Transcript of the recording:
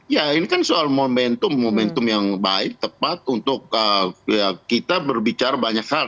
ya ini kan soal momentum momentum yang baik tepat untuk kita berbicara banyak hal